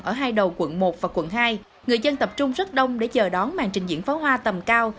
ở hai đầu quận một và quận hai người dân tập trung rất đông để chờ đón màn trình diễn pháo hoa tầm cao